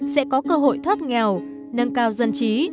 sẽ có cơ hội thoát nghèo nâng cao dân trí